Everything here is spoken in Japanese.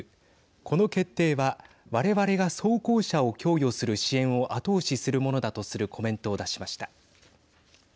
この決定は我々が装甲車を供与する支援を後押しするものだとするコメントを出しました。